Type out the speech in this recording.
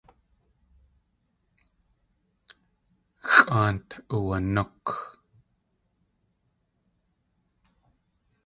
Xʼáant uwanúk.